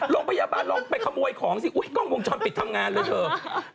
โรงพยาบาลลองไปขโมยของสิอุ๊ยกล้องวงจรปิดทำงานเลยเถอะ